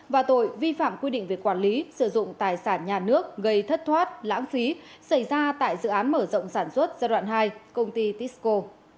và tội vi phạm quy định về quản lý sử dụng tài sản nhà nước gây thất thoát lãng phí xảy ra tại dự án mở rộng sản xuất giai đoạn hai công ty tisco